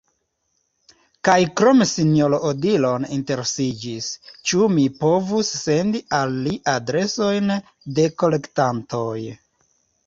Kaj krome Sinjoro Odilon interesiĝis, ĉu mi povus sendi al li adresojn de kolektantoj.